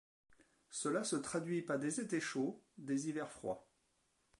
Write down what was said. Cela se traduit par des étés chauds, des hivers froids.